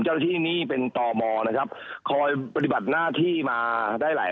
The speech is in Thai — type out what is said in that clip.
เจ้าหน้าที่นี่เป็นตมนะครับคอยปฏิบัติหน้าที่มาได้หลาย